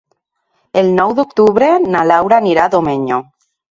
El nou d'octubre na Laura anirà a Domenyo.